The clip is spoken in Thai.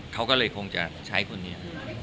เขาก็เลยคงจะใช้คนนี้